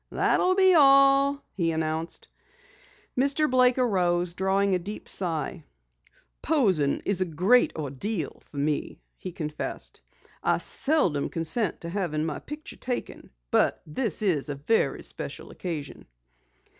"That'll be all," he announced. Mr. Blake arose, drawing a deep sigh. "Posing is a great ordeal for me," he confessed. "I seldom consent to having my picture taken, but this is a very special occasion."